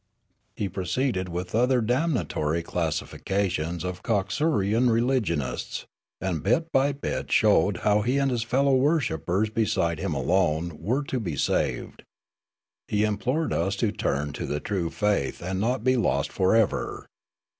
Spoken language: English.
" He proceeded with other damnatory classifications of Coxurian religionists, and bit by bit showed how he and his fellow worshippers beside him alone were to be saved. He implored us to turn to the true faith and not be lost for ever.